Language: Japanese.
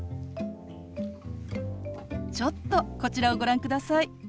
ちょっとこちらをご覧ください。